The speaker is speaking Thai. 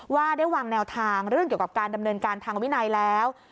ว่าได้วางแนวทางเรื่องเกี่ยวกับการดำเนินการทางวินัยแล้ว